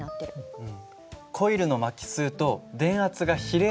うん。